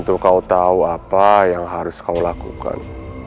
tanpa kau pasti tahu apa yang harus kau lakukan